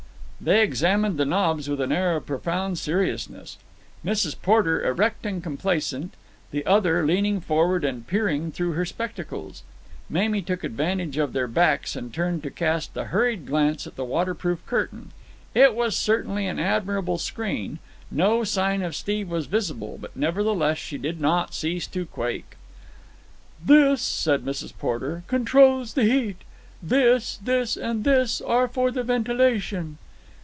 They examined the knobs with an air of profound seriousness, Mrs. Porter erect and complacent, the other leaning forward and peering through her spectacles. Mamie took advantage of their backs and turned to cast a hurried glance at the water proof curtain. It was certainly an admirable screen; no sign of Steve was visible; but nevertheless she did not cease to quake. "This," said Mrs. Porter, "controls the heat. This, this, and this are for the ventilation."